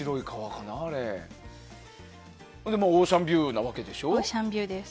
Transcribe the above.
オーシャンビューなわけでしょ。